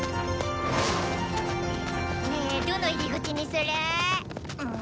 ねえどの入り口にするぅ？